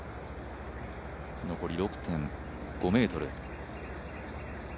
残り６．５ｍ。